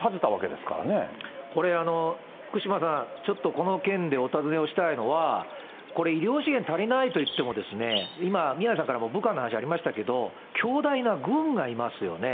これ、福島さん、ちょっとこの件でお尋ねをしたいのは、これ、医療資源足りないと言っても、今、宮根さんからも武漢の話ありましたけど、強大な軍がいますよね。